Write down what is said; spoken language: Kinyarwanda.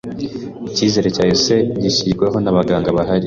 icyizere cyahise gishyirwaho nabaganga bahari